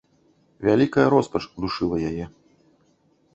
Вялікая роспач душыла яе.